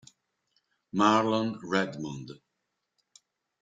Marlon Redmond